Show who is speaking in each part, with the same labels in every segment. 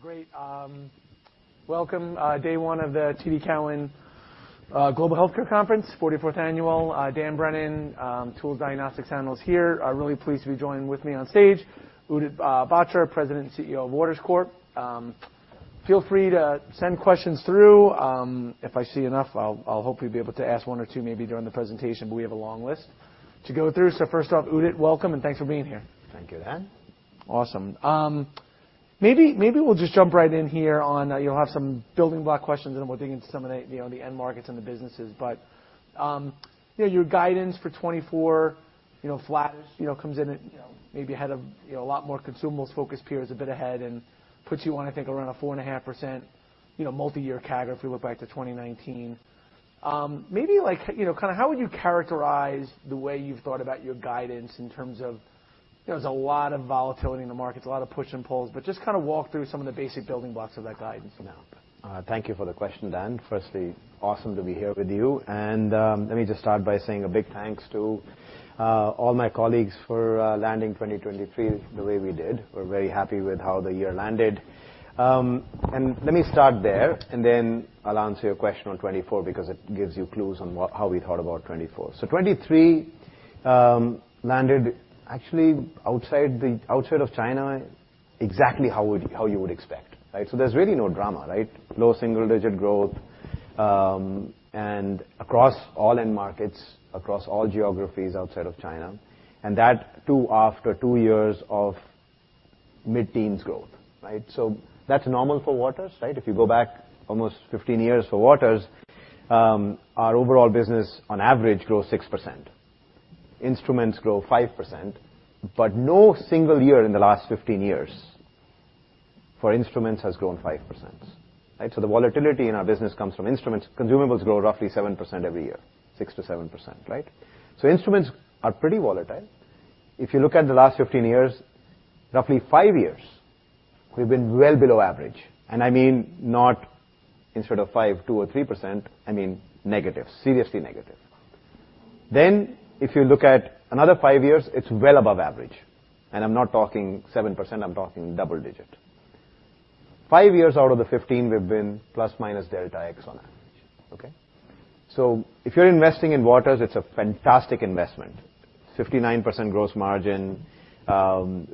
Speaker 1: Great. Welcome, day one of the TD Cowen Global Healthcare Conference, 44th annual. Dan Brennan, Tools Diagnostics Analyst here. I'm really pleased to be joined with me on stage, Udit Batra, President and CEO of Waters Corp. Feel free to send questions through. If I see enough, I'll hope you'll be able to ask one or two, maybe during the presentation, but we have a long list to go through. So first off, Udit, welcome, and thanks for being here.
Speaker 2: Thank you, Dan.
Speaker 1: Awesome. Maybe, maybe we'll just jump right in here on, you'll have some building block questions, and then we'll dig into some of the, you know, the end markets and the businesses. But, yeah, your guidance for 2024, you know, flattish, you know, comes in at, you know, maybe ahead of, you know, a lot more consumables-focused peers, a bit ahead and puts you on, I think, around a 4.5%, you know, multi-year CAGR, if we look back to 2019. Maybe like, you know, kinda how would you characterize the way you've thought about your guidance in terms of... There's a lot of volatility in the markets, a lot of push and pulls, but just kinda walk through some of the basic building blocks of that guidance now.
Speaker 2: Thank you for the question, Dan. Firstly, awesome to be here with you. And, let me just start by saying a big thanks to all my colleagues for landing 2023 the way we did. We're very happy with how the year landed. And let me start there, and then I'll answer your question on 2024 because it gives you clues on how we thought about 2024. So 2023 landed actually outside of China, exactly how you would expect, right? So there's really no drama, right? Low single-digit growth, and across all end markets, across all geographies outside of China, and that, too, after two years of mid-teens growth, right? So that's normal for Waters, right? If you go back almost 15 years for Waters, our overall business, on average, grows 6%. Instruments grow 5%, but no single year in the last 15 years for instruments has grown 5%, right? So the volatility in our business comes from instruments. Consumables grow roughly 7% every year, 6%-7%, right? So instruments are pretty volatile. If you look at the last 15 years, roughly five years, we've been well below average, and I mean, not instead of 5, 2%-3%, I mean negative, seriously negative. Then if you look at another five years, it's well above average, and I'm not talking 7%, I'm talking double-digit. Five years out of the 15, we've been plus minus delta X on average, okay? So if you're investing in Waters, it's a fantastic investment. 59% gross margin,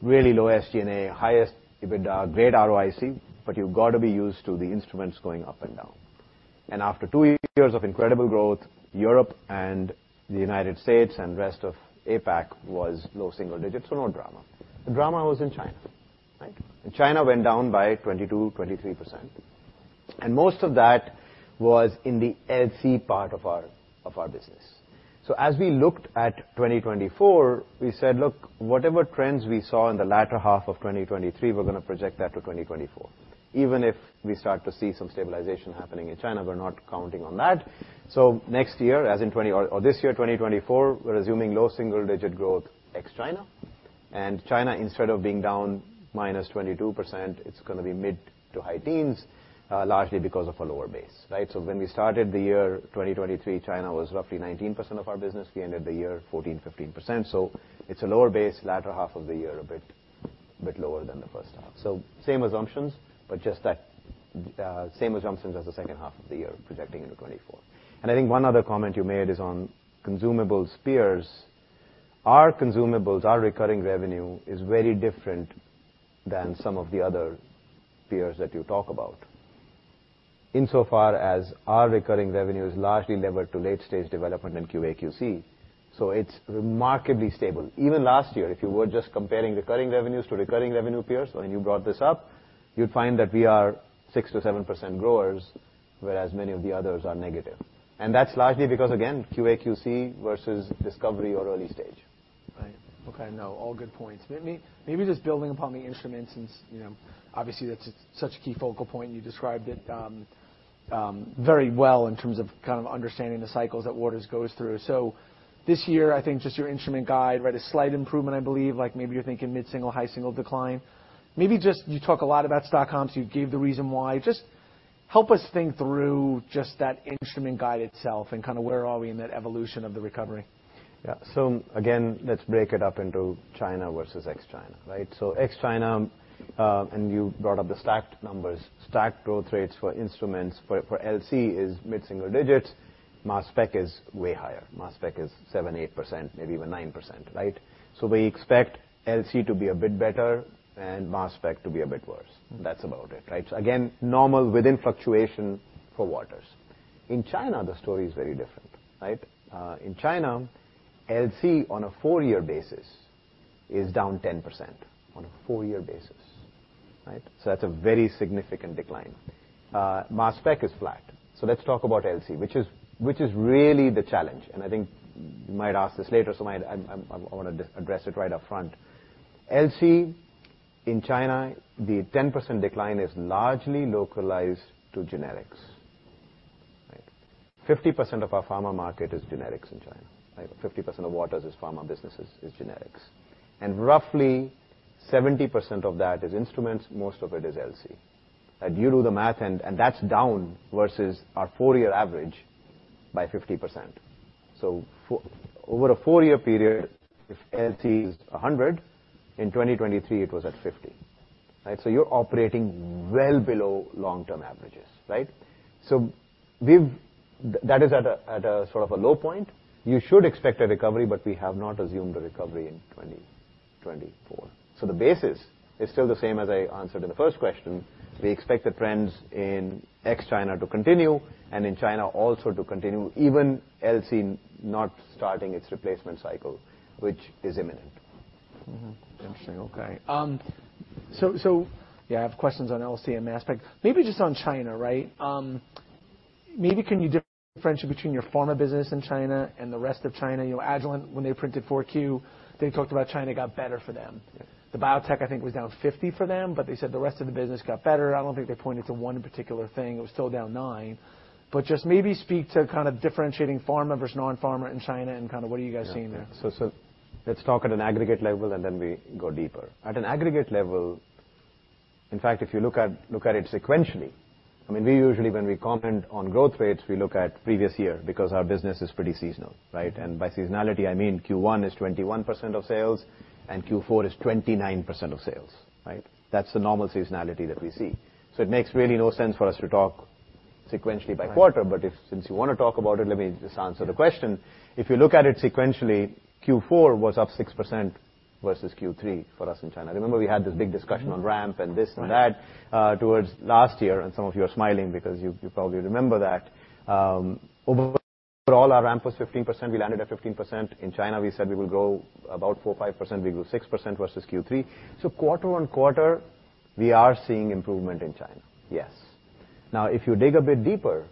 Speaker 2: really low SG&A, highest EBITDA, great ROIC, but you've got to be used to the instruments going up and down. After two years of incredible growth, Europe and the United States and rest of APAC was low single digits, so no drama. The drama was in China, right? And China went down by 22%-23%, and most of that was in the LC part of our business. So as we looked at 2024, we said, "Look, whatever trends we saw in the latter half of 2023, we're gonna project that to 2024. Even if we start to see some stabilization happening in China, we're not counting on that." So next year, or this year, 2024, we're assuming low single-digit growth ex-China. And China, instead of being down -22%, it's gonna be mid- to high teens, largely because of a lower base, right? So when we started the year 2023, China was roughly 19% of our business. We ended the year 14%-15%. So it's a lower base, latter half of the year, a bit lower than the first half. Same assumptions, but just that, same assumptions as the second half of the year, projecting into 2024. And I think one other comment you made is on consumables peers. Our consumables, our recurring revenue is very different than some of the other peers that you talk about. Insofar as our recurring revenue is largely levered to late-stage development in QA/QC, so it's remarkably stable. Even last year, if you were just comparing recurring revenues to recurring revenue peers, when you brought this up, you'd find that we are 6%-7% growers, whereas many of the others are negative. That's largely because, again, QA/QC versus discovery or early stage.
Speaker 1: Right. Okay. No, all good points. Let me maybe just building upon the instruments, since, you know, obviously, that's such a key focal point. You described it very well in terms of kind of understanding the cycles that Waters goes through. So this year, I think just your instrument guide, right, a slight improvement, I believe. Like, maybe you're thinking mid-single, high single decline. Maybe just you talk a lot about stock comps, you gave the reason why. Just help us think through just that instrument guide itself and kinda where are we in that evolution of the recovery.
Speaker 2: Yeah. So again, let's break it up into China versus ex-China, right? So ex-China, and you brought up the stacked numbers. Stacked growth rates for instruments for LC is mid single digits, mass spec is way higher. Mass spec is 7, 8%, maybe even 9%, right? So we expect LC to be a bit better and mass spec to be a bit worse. That's about it, right? So again, normal within fluctuation for Waters. In China, the story is very different, right? In China, LC, on a four-year basis, is down 10%. On a four-year basis, right? So that's a very significant decline. Mass spec is flat. So let's talk about LC, which is really the challenge, and I think you might ask this later, so I wanna just address it right up front. LC, in China, the 10% decline is largely localized to generics, right? 50% of our pharma market is generics in China, right? 50% of Waters's pharma business is generics. And roughly 70% of that is instruments, most of it is LC. And you do the math, and that's down versus our 4-year average by 50%. So over a 4-year period, if LC is 100, in 2023, it was at 50, right? So you're operating well below long-term averages, right? So we've that is at a sort of low point. You should expect a recovery, but we have not assumed a recovery in 2024. So the basis is still the same as I answered in the first question. We expect the trends in ex-China to continue, and in China also to continue, even LC not starting its replacement cycle, which is imminent.
Speaker 1: Mm-hmm. Interesting. Okay. So yeah, I have questions on LC and mass spec. Maybe just on China, right? Maybe can you differentiate between your pharma business in China and the rest of China? You know, Agilent, when they printed 4Q, they talked about China got better for them.
Speaker 2: Yeah.
Speaker 1: The biotech, I think, was down 50 for them, but they said the rest of the business got better. I don't think they pointed to one particular thing. It was still down 9. But just maybe speak to kind of differentiating pharma versus non-pharma in China and kind of what are you guys seeing there?
Speaker 2: Yeah. So, so let's talk at an aggregate level, and then we go deeper. At an aggregate level... In fact, if you look at, look at it sequentially, I mean, we usually, when we comment on growth rates, we look at previous year because our business is pretty seasonal, right? And by seasonality, I mean Q1 is 21% of sales, and Q4 is 29% of sales, right? That's the normal seasonality that we see. So it makes really no sense for us to talk sequentially by quarter-
Speaker 1: Right.
Speaker 2: But if, since you want to talk about it, let me just answer the question. If you look at it sequentially, Q4 was up 6% versus Q3 for us in China. Remember, we had this big discussion-
Speaker 1: Mm-hmm...
Speaker 2: on ramp and this and that, towards last year, and some of you are smiling because you probably remember that. Overall, our ramp was 15%. We landed at 15%. In China, we said we will grow about 4%-5%. We grew 6% versus Q3. So quarter-over-quarter, we are seeing improvement in China, yes. Now, if you dig a bit deeper,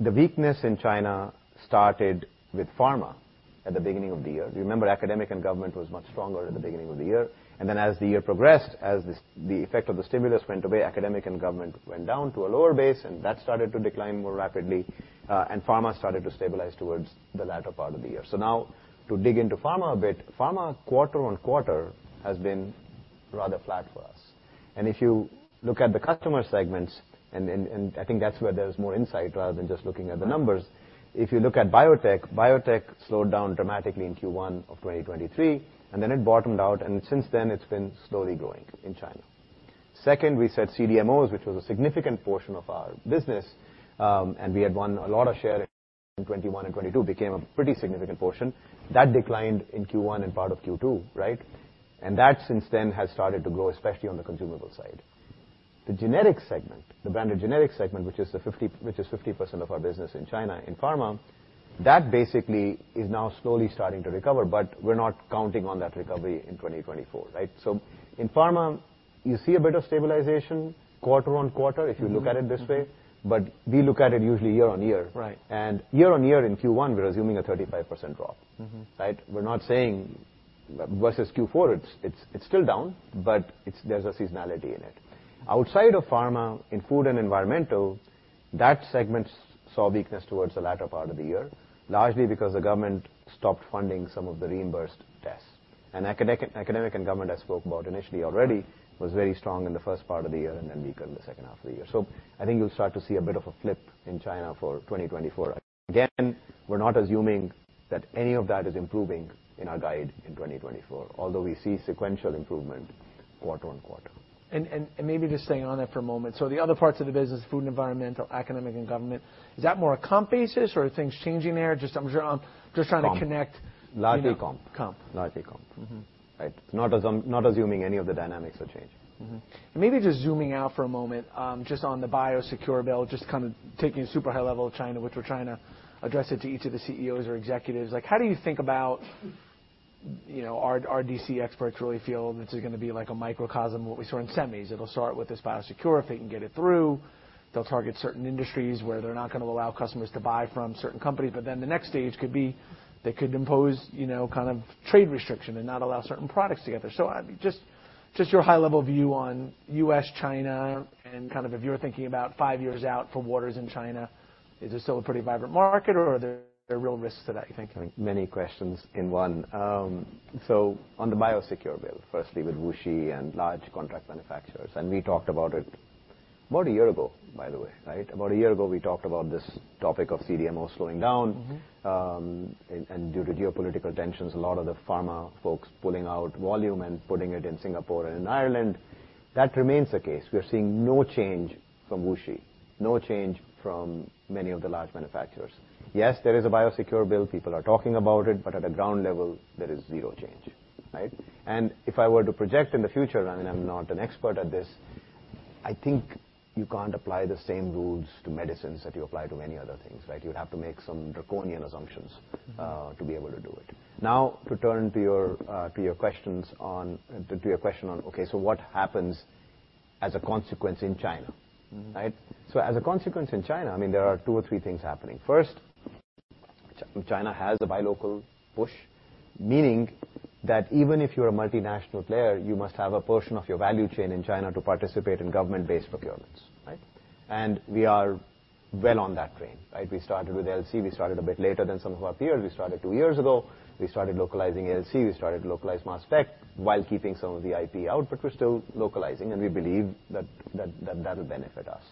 Speaker 2: the weakness in China started with pharma at the beginning of the year. Do you remember? Academic and government was much stronger at the beginning of the year, and then as the year progressed, as the effect of the stimulus went away, academic and government went down to a lower base, and that started to decline more rapidly, and pharma started to stabilize towards the latter part of the year. So now, to dig into pharma a bit, pharma, quarter-on-quarter, has been rather flat for us. And if you look at the customer segments, I think that's where there's more insight, rather than just looking at the numbers.
Speaker 1: Mm-hmm.
Speaker 2: If you look at biotech, biotech slowed down dramatically in Q1 of 2023, and then it bottomed out, and since then, it's been slowly growing in China. Second, we said CDMOs, which was a significant portion of our business, and we had won a lot of share in 2021 and 2022, became a pretty significant portion. That declined in Q1 and part of Q2, right? And that, since then, has started to grow, especially on the consumable side. The generic segment, the branded generic segment, which is 50% of our business in China, in pharma, that basically is now slowly starting to recover, but we're not counting on that recovery in 2024, right? So in pharma, you see a bit of stabilization quarter-over-quarter-
Speaker 1: Mm-hmm...
Speaker 2: if you look at it this way, but we look at it usually year-on-year.
Speaker 1: Right.
Speaker 2: Year-over-year in Q1, we're assuming a 35% drop.
Speaker 1: Mm-hmm.
Speaker 2: Right? We're not saying versus Q4, it's still down, but it's, there's a seasonality in it. Outside of pharma, in food and environmental, that segment saw weakness towards the latter part of the year, largely because the government stopped funding some of the reimbursed tests. And academic and government, I spoke about initially already, was very strong in the first part of the year and then weaker in the second half of the year. So I think you'll start to see a bit of a flip in China for 2024. Again, we're not assuming that any of that is improving in our guide in 2024, although we see sequential improvement quarter-over-quarter.
Speaker 1: Maybe just staying on that for a moment. So the other parts of the business, food and environmental, academic and government, is that more a comp basis, or are things changing there? Just I'm sure, I'm just trying to connect-
Speaker 2: Comp. Largely comp.
Speaker 1: Comp.
Speaker 2: Largely comp.
Speaker 1: Mm-hmm.
Speaker 2: Right. Not assuming any of the dynamics will change.
Speaker 1: Mm-hmm. And maybe just zooming out for a moment, just on the BIOSECURE bill, just kind of taking a super high level of China, which we're trying to address it to each of the CEOs or executives. Like, how do you think about... You know, our D.C. experts really feel this is gonna be like a microcosm of what we saw in semis. It'll start with this BIOSECURE. If they can get it through, they'll target certain industries where they're not gonna allow customers to buy from certain companies, but then the next stage could be they could impose, you know, kind of trade restriction and not allow certain products together. So just your high-level view on U.S., China, and kind of if you're thinking about five years out for Waters in China, is it still a pretty vibrant market, or are there real risks to that, you think?
Speaker 2: I think many questions in one. So on the BIOSECURE bill, firstly, with WuXi and large contract manufacturers, and we talked about it more a year ago, by the way, right? About a year ago, we talked about this topic of CDMO slowing down.
Speaker 1: Mm-hmm.
Speaker 2: And due to geopolitical tensions, a lot of the pharma folks pulling out volume and putting it in Singapore and in Ireland. That remains the case. We are seeing no change from WuXi, no change from many of the large manufacturers. Yes, there is a BIOSECURE bill. People are talking about it, but at a ground level, there is zero change, right? And if I were to project in the future, and I'm not an expert at this, I think you can't apply the same rules to medicines that you apply to many other things, right? You'd have to make some draconian assumptions-
Speaker 1: Mm-hmm...
Speaker 2: to be able to do it. Now, to turn to your question on, okay, so what happens as a consequence in China?
Speaker 1: Mm-hmm.
Speaker 2: Right? So as a consequence in China, I mean, there are two or three things happening. First, China has a buy local push, meaning that even if you're a multinational player, you must have a portion of your value chain in China to participate in government-based procurements, right? And we are well on that train, right? We started with LC. We started a bit later than some of our peers. We started two years ago. We started localizing LC. We started to localize mass spec while keeping some of the IP out, but we're still localizing, and we believe that'll benefit us.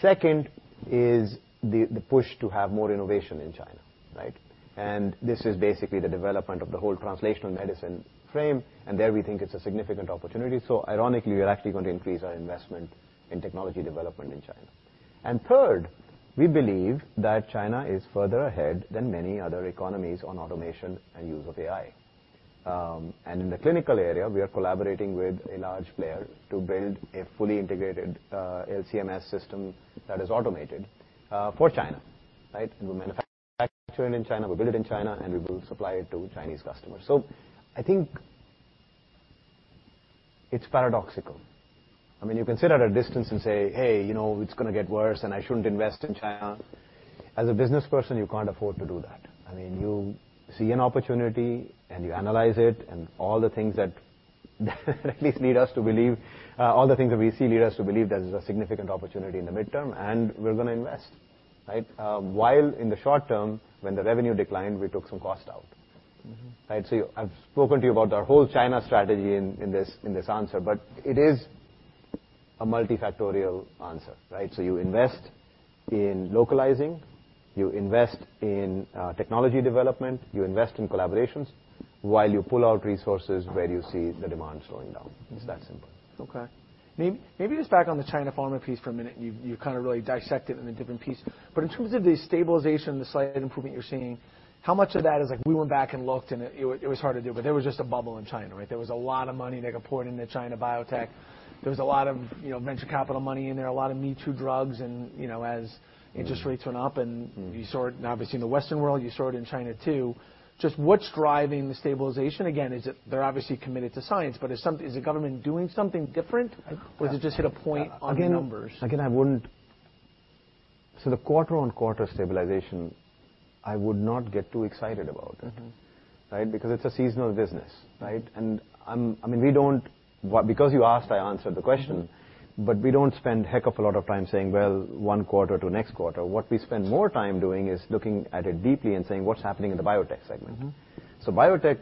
Speaker 2: Second is the push to have more innovation in China, right? And this is basically the development of the whole translational medicine frame, and there we think it's a significant opportunity. So ironically, we are actually going to increase our investment in technology development in China. And third, we believe that China is further ahead than many other economies on automation and use of AI. And in the clinical area, we are collaborating with a large player to build a fully integrated, LC-MS system that is automated, for China, right? We manufacture it in China, we build it in China, and we will supply it to Chinese customers. So I think it's paradoxical. I mean, you can sit at a distance and say, "Hey, you know, it's gonna get worse, and I shouldn't invest in China." As a business person, you can't afford to do that. I mean, you see an opportunity, and you analyze it, and all the things that, at least lead us to believe, all the things that we see lead us to believe there's a significant opportunity in the midterm, and we're gonna invest, right? While in the short term, when the revenue declined, we took some cost out.
Speaker 1: Mm-hmm.
Speaker 2: Right? So I've spoken to you about our whole China strategy in, in this, in this answer, but it is a multifactorial answer, right? So you invest in localizing, you invest in technology development, you invest in collaborations while you pull out resources where you see the demand slowing down. It's that simple.
Speaker 1: Okay. Maybe just back on the China pharma piece for a minute. You kind of really dissected it in a different piece, but in terms of the stabilization, the slight improvement you're seeing, how much of that is like we went back and looked, and it was hard to do, but there was just a bubble in China, right? There was a lot of money that got poured into China biotech. There was a lot of, you know, venture capital money in there, a lot of me-too drugs and, you know, as-
Speaker 2: Mm-hmm...
Speaker 1: interest rates went up, and-
Speaker 2: Mm-hmm
Speaker 1: ...you saw it obviously in the Western world, you saw it in China, too. Just what's driving the stabilization again? Is it... They're obviously committed to science, but is something... is the government doing something different?
Speaker 2: I-
Speaker 1: Or did it just hit a point on the numbers?
Speaker 2: The quarter-on-quarter stabilization, I would not get too excited about it.
Speaker 1: Mm-hmm.
Speaker 2: Right? Because it's a seasonal business, right? And I'm—I mean, we don't... Well, because you asked, I answered the question.
Speaker 1: Mm-hmm.
Speaker 2: We don't spend a heck of a lot of time saying, "Well, one quarter to next quarter." What we spend more time doing is looking at it deeply and saying, "What's happening in the biotech segment?
Speaker 1: Mm-hmm.
Speaker 2: So biotech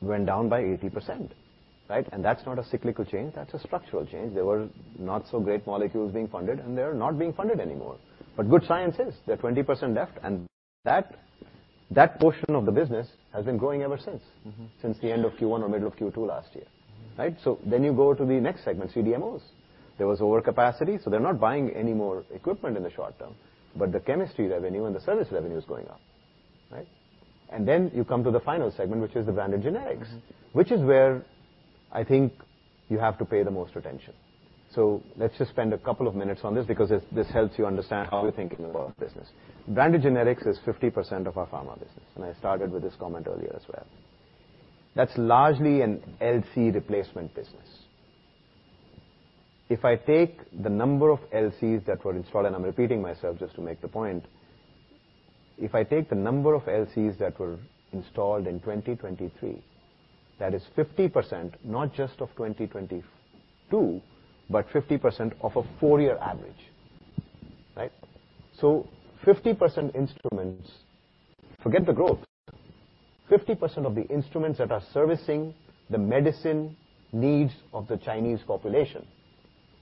Speaker 2: went down by 80%, right? And that's not a cyclical change, that's a structural change. There were not so great molecules being funded, and they're not being funded anymore. But good science is. There are 20% left, and that, that portion of the business has been growing ever since.
Speaker 1: Mm-hmm.
Speaker 2: Since the end of Q1 or middle of Q2 last year, right? So then you go to the next segment, CDMOs. There was overcapacity, so they're not buying any more equipment in the short term, but the chemistry revenue and the service revenue is going up, right? And then you come to the final segment, which is the branded generics.
Speaker 1: Mm-hmm.
Speaker 2: Which is where I think you have to pay the most attention. So let's just spend a couple of minutes on this because this, this helps you understand how we're thinking about business. Branded generics is 50% of our pharma business, and I started with this comment earlier as well. That's largely an LC replacement business. If I take the number of LCs that were installed, and I'm repeating myself just to make the point, if I take the number of LCs that were installed in 2023, that is 50%, not just of 2022, but 50% of a four-year average, right? So 50% of instruments, forget the growth, 50% of the instruments that are servicing the medicine needs of the Chinese population are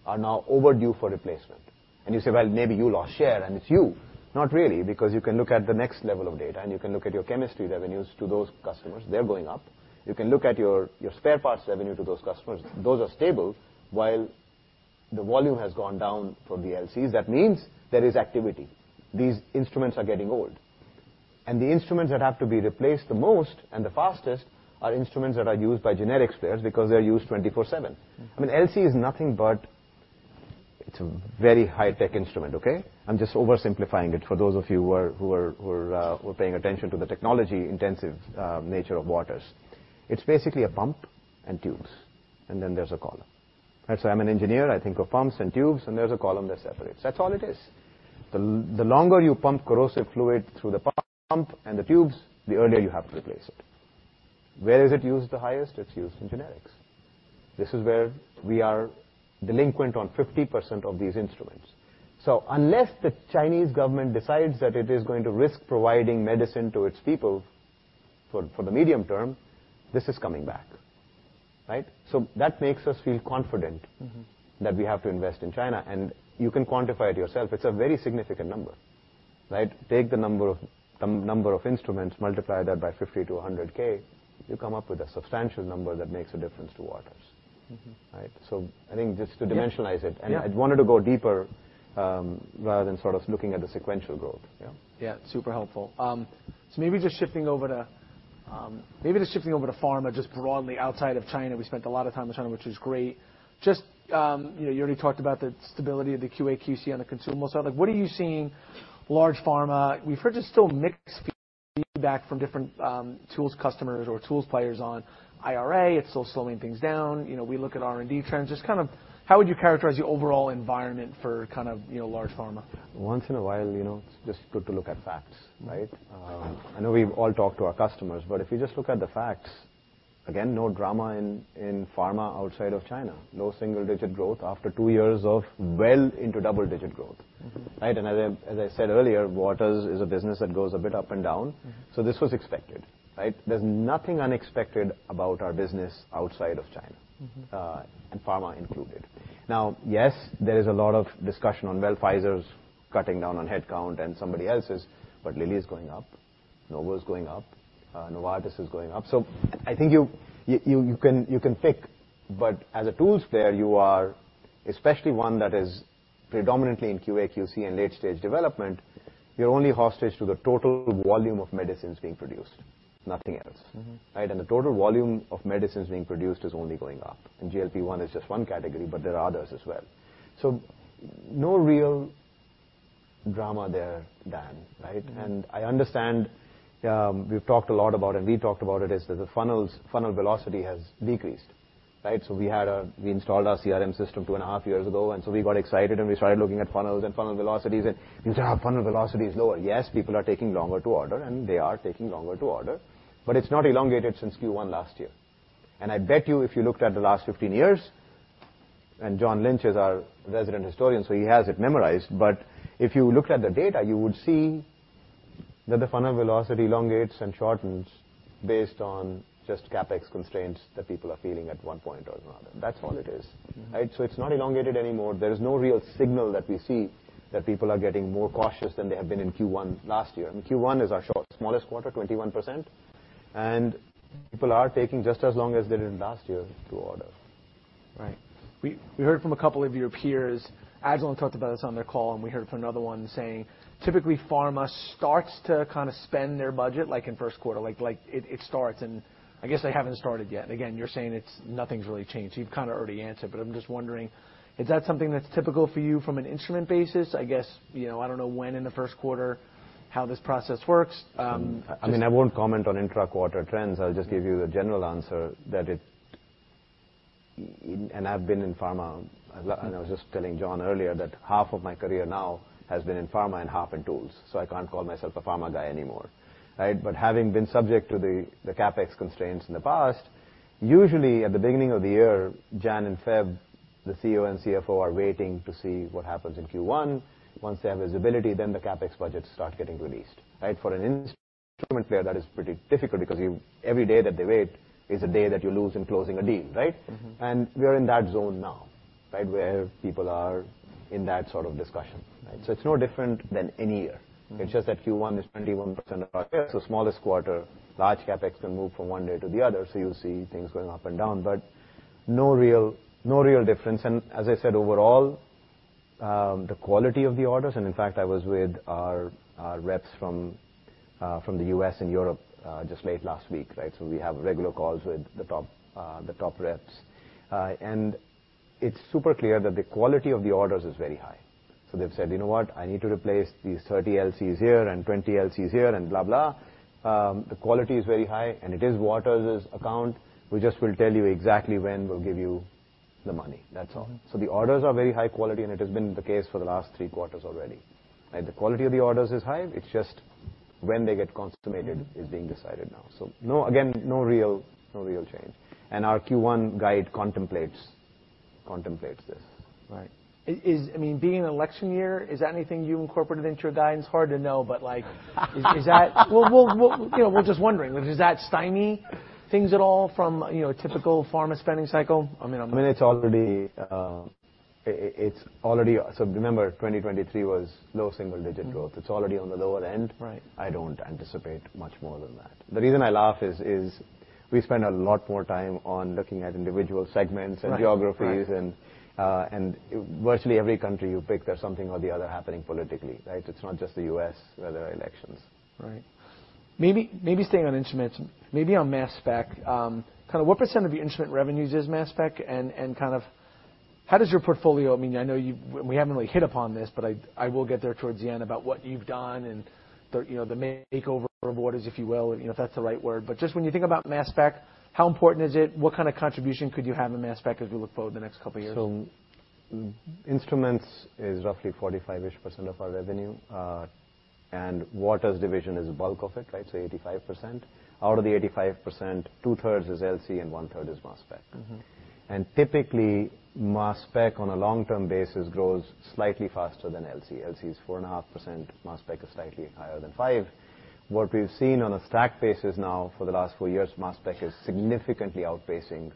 Speaker 2: now overdue for replacement. You say, "Well, maybe you lost share, and it's you." Not really, because you can look at the next level of data, and you can look at your chemistry revenues to those customers. They're going up. You can look at your spare parts revenue to those customers. Those are stable, while the volume has gone down from the LCs. That means there is activity. These instruments are getting old, and the instruments that have to be replaced the most and the fastest are instruments that are used by generic players because they are used 24/7.
Speaker 1: Mm-hmm.
Speaker 2: I mean, LC is nothing, but it's a very high-tech instrument, okay? I'm just oversimplifying it for those of you who are paying attention to the technology-intensive nature of Waters. It's basically a pump and tubes, and then there's a column. Right? So I'm an engineer. I think of pumps and tubes, and there's a column that separates. That's all it is. The longer you pump corrosive fluid through the pump and the tubes, the earlier you have to replace it. Where is it used the highest? It's used in generics. This is where we are delinquent on 50% of these instruments. So unless the Chinese government decides that it is going to risk providing medicine to its people, for the medium term, this is coming back, right? So that makes us feel confident-
Speaker 1: Mm-hmm...
Speaker 2: that we have to invest in China, and you can quantify it yourself. It's a very significant number, right? Take the number of, the number of instruments, multiply that by $50-100K, you come up with a substantial number that makes a difference to Waters.
Speaker 1: Mm-hmm.
Speaker 2: Right? So I think just to dimensionalize it-
Speaker 1: Yeah...
Speaker 2: and I wanted to go deeper, rather than sort of looking at the sequential growth. Yeah.
Speaker 1: Yeah, super helpful. So maybe just shifting over to pharma, just broadly outside of China. We spent a lot of time on China, which is great. Just, you know, you already talked about the stability of the QA/QC on the consumable side. Like, what are you seeing large pharma? We've heard just still mixed feedback from different, tools, customers, or tools players on IRA. It's still slowing things down. You know, we look at R&D trends. Just kind of how would you characterize the overall environment for kind of, you know, large pharma?
Speaker 2: Once in a while, you know, it's just good to look at facts, right?
Speaker 1: Mm-hmm.
Speaker 2: I know we've all talked to our customers, but if you just look at the facts, again, no drama in pharma outside of China. Low single-digit growth after 2 years of well into double-digit growth.
Speaker 1: Mm-hmm.
Speaker 2: Right? And as I, as I said earlier, Waters is a business that goes a bit up and down.
Speaker 1: Mm-hmm.
Speaker 2: This was expected, right? There's nothing unexpected about our business outside of China.
Speaker 1: Mm-hmm.
Speaker 2: And pharma included. Now, yes, there is a lot of discussion on, well, Pfizer's cutting down on headcount and somebody else's, but Lilly is going up... Novo is going up, Novartis is going up. So I think you, you, you can, you can pick, but as a tools player, you are, especially one that is predominantly in QA, QC, and late-stage development, you're only hostage to the total volume of medicines being produced, nothing else.
Speaker 1: Mm-hmm.
Speaker 2: Right? The total volume of medicines being produced is only going up. GLP-1 is just one category, but there are others as well. No real drama there, Dan, right?
Speaker 1: Mm-hmm.
Speaker 2: I understand, we've talked a lot about it, and we talked about it, is that the funnel velocity has decreased, right? So we installed our CRM system two and a half years ago, and so we got excited, and we started looking at funnels and funnel velocities, and you say, "Our funnel velocity is lower." Yes, people are taking longer to order, and they are taking longer to order, but it's not elongated since Q1 last year. And I bet you, if you looked at the last 15 years, and John Lynch is our resident historian, so he has it memorized, but if you looked at the data, you would see that the funnel velocity elongates and shortens based on just CapEx constraints that people are feeling at one point or another. That's all it is.
Speaker 1: Mm-hmm.
Speaker 2: Right? So it's not elongated anymore. There is no real signal that we see that people are getting more cautious than they have been in Q1 last year. I mean, Q1 is our short- smallest quarter, 21%, and people are taking just as long as they did last year to order.
Speaker 1: Right. We heard from a couple of your peers. Agilent talked about this on their call, and we heard from another one saying, typically, pharma starts to kind of spend their budget, like, in first quarter. Like, it starts, and I guess they haven't started yet. And again, you're saying it's, nothing's really changed. You've kind of already answered, but I'm just wondering, is that something that's typical for you from an instrument basis? I guess, you know, I don't know when in the first quarter, how this process works, just-
Speaker 2: I mean, I won't comment on intra-quarter trends. I'll just give you the general answer that it... And I've been in pharma a long time, and I was just telling John earlier that half of my career now has been in pharma and half in tools, so I can't call myself a pharma guy anymore, right? But having been subject to the CapEx constraints in the past, usually at the beginning of the year, January and February, the CEO and CFO are waiting to see what happens in Q1. Once they have visibility, then the CapEx budgets start getting released, right? For an instrument player, that is pretty difficult because every day that they wait is a day that you lose in closing a deal, right?
Speaker 1: Mm-hmm.
Speaker 2: We are in that zone now, right? Where people are in that sort of discussion, right? It's no different than any year.
Speaker 1: Mm-hmm.
Speaker 2: It's just that Q1 is 21% of our sales, so smallest quarter. Large CapEx can move from one day to the other, so you'll see things going up and down, but no real difference. And as I said, overall, the quality of the orders, and in fact, I was with our reps from the U.S. and Europe just late last week, right? So we have regular calls with the top reps. And it's super clear that the quality of the orders is very high. So they've said, "You know what? I need to replace these 30 LCs here and 20 LCs here, and blah, blah." The quality is very high, and it is Waters' account. We just will tell you exactly when we'll give you the money. That's all.
Speaker 1: Mm-hmm.
Speaker 2: So the orders are very high quality, and it has been the case for the last three quarters already, right? The quality of the orders is high. It's just when they get consummated-
Speaker 1: Mm-hmm...
Speaker 2: is being decided now. So no, again, no real change. And our Q1 guide contemplates this.
Speaker 1: Right. I mean, being an election year, is that anything you incorporated into your guidance? Hard to know, but, like, is that... Well, you know, we're just wondering, does that stymie things at all from, you know, a typical pharma spending cycle? I mean, I'm-
Speaker 2: I mean, it's already... So remember, 2023 was low single-digit growth.
Speaker 1: Mm-hmm.
Speaker 2: It's already on the lower end.
Speaker 1: Right.
Speaker 2: I don't anticipate much more than that. The reason I laugh is we spend a lot more time on looking at individual segments-
Speaker 1: Right...
Speaker 2: and geographies.
Speaker 1: Right.
Speaker 2: Virtually every country you pick, there's something or the other happening politically, right? It's not just the U.S. where there are elections.
Speaker 1: Right. Maybe staying on instruments, maybe on mass spec, kind of what % of your instrument revenues is mass spec? And kind of how does your portfolio... I mean, I know you've, we haven't really hit upon this, but I will get there towards the end about what you've done and the, you know, the makeover of Waters, if you will, you know, if that's the right word. But just when you think about mass spec, how important is it? What kind of contribution could you have in mass spec as we look forward the next couple of years?
Speaker 2: Instruments is roughly 45-ish% of our revenue, and Waters division is a bulk of it, right? 85%. Out of the 85%, two-thirds is LC and one-third is mass spec.
Speaker 1: Mm-hmm.
Speaker 2: Typically, mass spec, on a long-term basis, grows slightly faster than LC. LC is 4.5%; mass spec is slightly higher than 5%. What we've seen on a stack basis now for the last four years, mass spec is significantly outpacing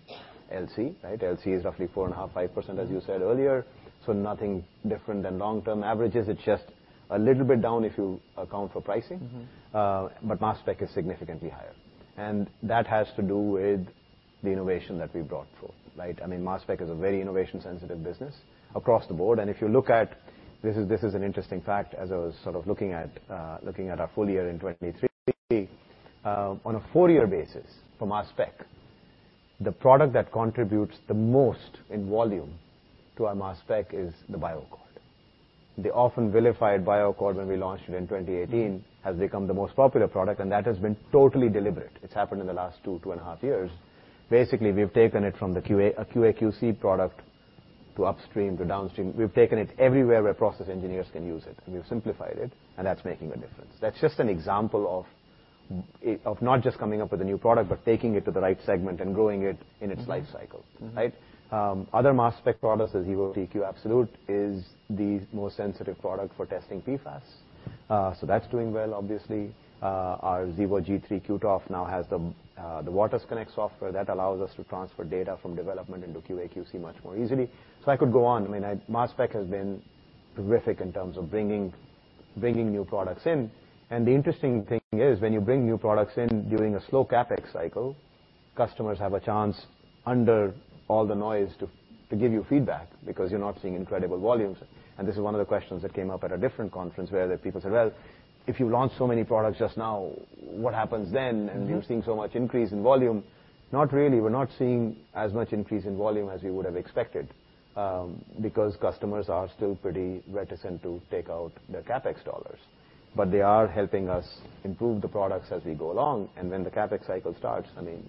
Speaker 2: LC, right? LC is roughly 4.5%-5%, as you said earlier, so nothing different than long-term averages. It's just a little bit down if you account for pricing.
Speaker 1: Mm-hmm.
Speaker 2: But mass spec is significantly higher, and that has to do with the innovation that we've brought forth, right? I mean, mass spec is a very innovation-sensitive business across the board. And if you look at... This is an interesting fact, as I was sort of looking at our full year in 2023. On a four-year basis, for mass spec, the product that contributes the most in volume to our mass spec is the BioAccord. The often vilified BioAccord, when we launched it in 2018, has become the most popular product, and that has been totally deliberate. It's happened in the last two and a half years. Basically, we've taken it from the QA/QC product to upstream to downstream. We've taken it everywhere where process engineers can use it, and we've simplified it, and that's making a difference. That's just an example of, of not just coming up with a new product, but taking it to the right segment and growing it in its life cycle.
Speaker 1: Mm-hmm.
Speaker 2: Right? Other mass spec products, as you will see, TQ Absolute, is the most sensitive product for testing PFAS. So that's doing well, obviously. Our Xevo G3 QTof now has the waters_connect software that allows us to transfer data from development into QA/QC much more easily. So I could go on. I mean, mass spec has been terrific in terms of bringing new products in. And the interesting thing is, when you bring new products in during a slow CapEx cycle, customers have a chance, under all the noise, to give you feedback because you're not seeing incredible volumes. And this is one of the questions that came up at a different conference, where the people said, "Well, if you launch so many products just now, what happens then? And you're seeing so much increase in volume." Not really. We're not seeing as much increase in volume as we would have expected, because customers are still pretty reticent to take out their CapEx dollars. But they are helping us improve the products as we go along, and when the CapEx cycle starts, I mean,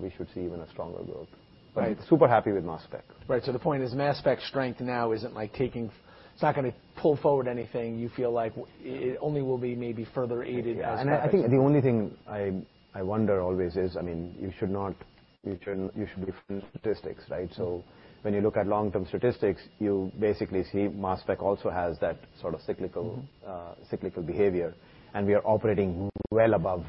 Speaker 2: we should see even a stronger growth.
Speaker 1: Right.
Speaker 2: Super happy with Mass Spec.
Speaker 1: Right. So the point is, Mass Spec's strength now isn't like taking. It's not gonna pull forward anything. You feel like it, it only will be maybe further aided as-
Speaker 2: Yeah. And I think the only thing I wonder always is, I mean, you should not—you should, you should be statistics, right? So when you look at long-term statistics, you basically see Mass Spec also has that sort of cyclical-
Speaker 1: Mm-hmm...
Speaker 2: cyclical behavior, and we are operating well above,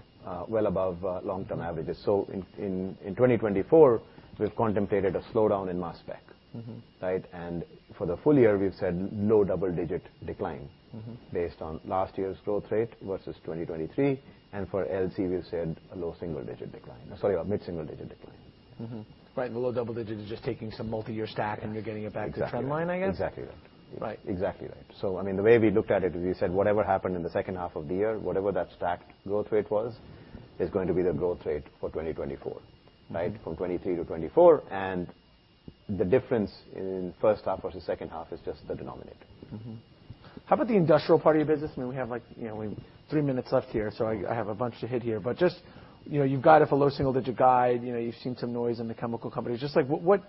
Speaker 2: well above, long-term averages. So in 2024, we've contemplated a slowdown in Mass Spec.
Speaker 1: Mm-hmm.
Speaker 2: Right? And for the full year, we've said low double-digit decline-
Speaker 1: Mm-hmm...
Speaker 2: based on last year's growth rate versus 2023, and for LC, we've said a low single-digit decline. Sorry, a mid-single-digit decline.
Speaker 1: Mm-hmm. Right, and the low double digit is just taking some multi-year stack, and you're getting it back to trend line, I guess?
Speaker 2: Exactly right.
Speaker 1: Right.
Speaker 2: Exactly right. So, I mean, the way we looked at it is, we said, whatever happened in the second half of the year, whatever that stacked growth rate was, is going to be the growth rate for 2024, right? From 2023 to 2024. The difference in first half versus second half is just the denominator.
Speaker 1: Mm-hmm. How about the industrial part of your business? I mean, we have, like, you know, we have three minutes left here, so I, I have a bunch to hit here. But just, you know, you've got it for low single-digit guide. You know, you've seen some noise in the chemical companies. Just like, what, what...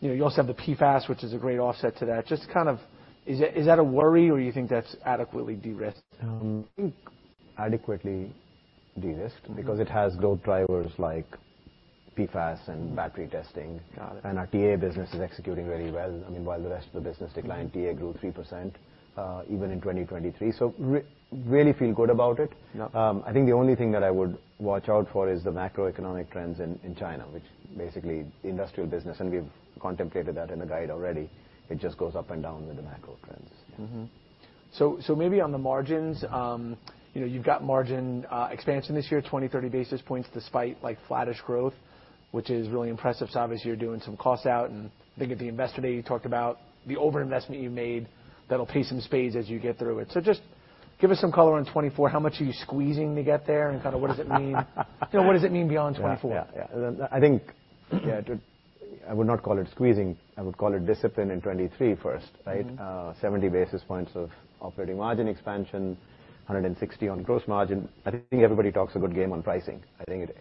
Speaker 1: You know, you also have the PFAS, which is a great offset to that. Just kind of, is that, is that a worry, or you think that's adequately de-risked?
Speaker 2: I think adequately de-risked-
Speaker 1: Mm-hmm...
Speaker 2: because it has growth drivers like PFAS and battery testing.
Speaker 1: Got it.
Speaker 2: Our TA business is executing very well. I mean, while the rest of the business declined, TA grew 3%, even in 2023. So really feel good about it.
Speaker 1: Yeah.
Speaker 2: I think the only thing that I would watch out for is the macroeconomic trends in China, which basically industrial business, and we've contemplated that in the guide already. It just goes up and down with the macro trends.
Speaker 1: Mm-hmm. So maybe on the margins, you know, you've got margin expansion this year, 20 basis points-30 basis points, despite, like, flattish growth, which is really impressive. So obviously, you're doing some cost out, and I think at the Investor Day, you talked about the overinvestment you've made that'll pay in spades as you get through it. So just give us some color on 2024. How much are you squeezing to get there, and kind of what does it mean? You know, what does it mean beyond 2024?
Speaker 2: Yeah, yeah. I think, yeah, it would—I would not call it squeezing. I would call it discipline in 2023 first, right?
Speaker 1: Mm-hmm.
Speaker 2: 70 basis points of operating margin expansion, 160 on gross margin. I think everybody talks a good game on pricing. I think it,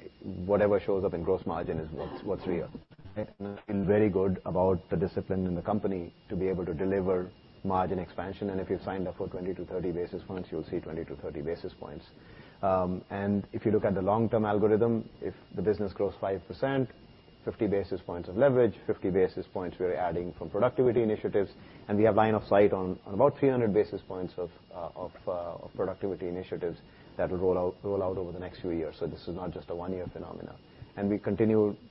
Speaker 2: whatever shows up in gross margin is what's, what's real. Feeling very good about the discipline in the company to be able to deliver margin expansion, and if you've signed up for 20 basis points-30 basis points, you'll see 20 basis points-30 basis points. And if you look at the long-term algorithm, if the business grows 5%, 50 basis points of leverage, 50 basis points we're adding from productivity initiatives, and we have line of sight on, on about 300 basis points of, of, of productivity initiatives that will roll out, roll out over the next few years. So this is not just a one-year phenomena. And we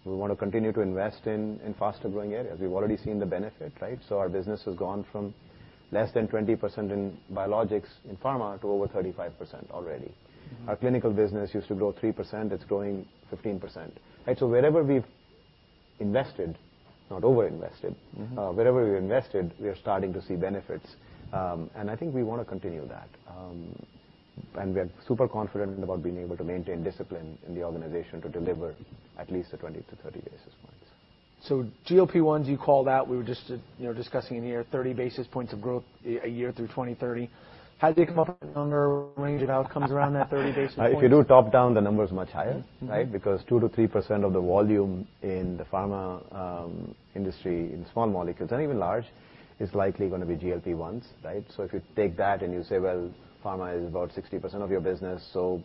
Speaker 2: want to continue to invest in faster-growing areas. We've already seen the benefit, right? So our business has gone from less than 20% in biologics, in pharma, to over 35% already.
Speaker 1: Mm-hmm.
Speaker 2: Our clinical business used to grow 3%. It's growing 15%. Right, so wherever we've invested, not overinvested-
Speaker 1: Mm-hmm...
Speaker 2: wherever we've invested, we are starting to see benefits. And I think we wanna continue that. And we're super confident about being able to maintain discipline in the organization to deliver at least the 20 basis points-30 basis points.
Speaker 1: So GLP-1s, you called out. We were just, you know, discussing in here 30 basis points of growth a year through 2030. Has it come up with a longer range of outcomes around that 30 basis points?
Speaker 2: If you do top down, the number is much higher, right?
Speaker 1: Mm-hmm.
Speaker 2: Because 2%-3% of the volume in the pharma industry, in small molecules and even large, is likely gonna be GLP-1s, right? So if you take that and you say, well, pharma is about 60% of your business, so,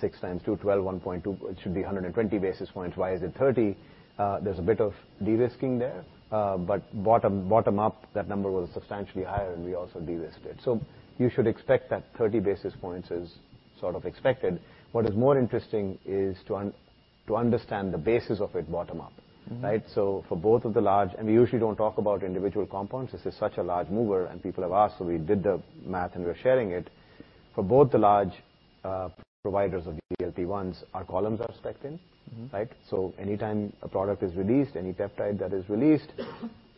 Speaker 2: 6 times 2, 12, 1.2, it should be 120 basis points. Why is it 30? There's a bit of de-risking there, but bottom up, that number was substantially higher, and we also de-risked it. So you should expect that 30 basis points is sort of expected. What is more interesting is to understand the basis of it bottom up.
Speaker 1: Mm-hmm.
Speaker 2: Right? So for both of the large... And we usually don't talk about individual compounds. This is such a large mover, and people have asked, so we did the math, and we're sharing it. For both the large providers of the GLP-1s, our columns are specced in.
Speaker 1: Mm-hmm.
Speaker 2: Right? So anytime a product is released, any peptide that is released,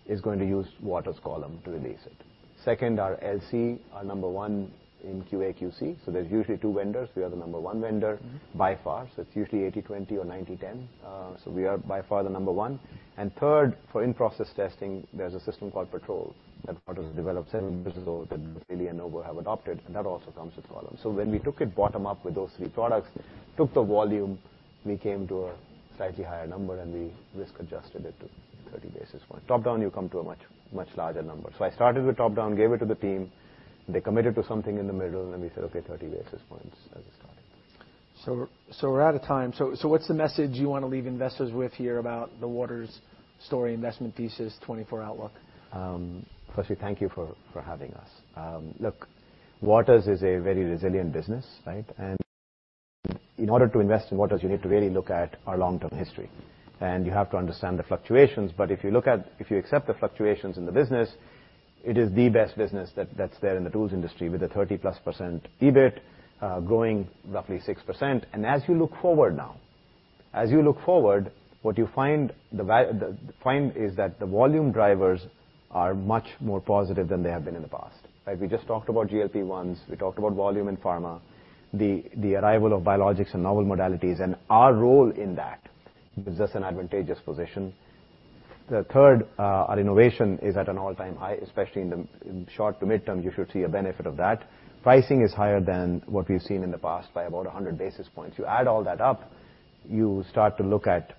Speaker 2: is going to use Waters' column to release it. Second, our LC are number one in QA/QC. So there's usually 2 vendors. We are the number one vendor by far, so it's usually 80/20 or 90/10. So we are by far the number one. And third, for in-process testing, there's a system called PATROL that Waters develops, and so that really Novo have adopted, and that also comes with columns. So when we look at bottom up with those three products, took the volume, we came to a slightly higher number, and we risk-adjusted it to 30 basis points. Top down, you come to a much, much larger number. I started with top down, gave it to the team, they committed to something in the middle, and then we said, "Okay, 30 basis points as a starting point.
Speaker 1: So we're out of time. So what's the message you wanna leave investors with here about the Waters story investment thesis 2024 outlook?
Speaker 2: Firstly, thank you for having us. Look, Waters is a very resilient business, right? And in order to invest in Waters, you need to really look at our long-term history, and you have to understand the fluctuations. But if you accept the fluctuations in the business, it is the best business that's there in the tools industry, with a 30%+ EBITDA, growing roughly 6%. And as you look forward now, as you look forward, what you find is that the volume drivers are much more positive than they have been in the past, right? We just talked about GLP-1s, we talked about volume in pharma, the arrival of biologics and novel modalities, and our role in that gives us an advantageous position. The third, our innovation is at an all-time high, especially in the, in short- to mid-term, you should see a benefit of that. Pricing is higher than what we've seen in the past by about 100 basis points. You add all that up, you start to look at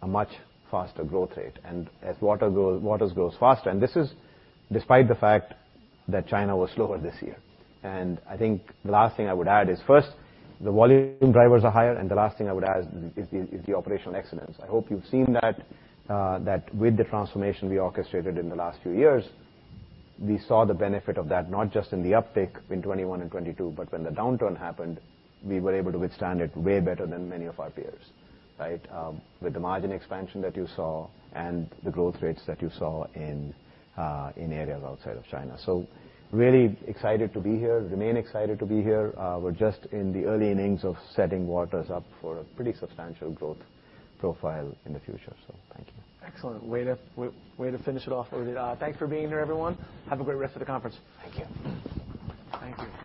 Speaker 2: a much faster growth rate. And as Waters grows faster, and this is despite the fact that China was slower this year. And I think the last thing I would add is, first, the volume drivers are higher, and the last thing I would add is the operational excellence. I hope you've seen that, that with the transformation we orchestrated in the last few years, we saw the benefit of that, not just in the uptick in 2021 and 2022, but when the downturn happened, we were able to withstand it way better than many of our peers, right? With the margin expansion that you saw and the growth rates that you saw in, in areas outside of China. So really excited to be here. Remain excited to be here. We're just in the early innings of setting Waters up for a pretty substantial growth profile in the future, so thank you.
Speaker 1: Excellent. Way to, way to finish it off. Thanks for being here, everyone. Have a great rest of the conference.
Speaker 2: Thank you. Thank you.